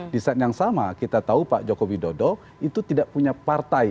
di saat yang sama kita tahu pak jokowi dodo itu tidak punya partai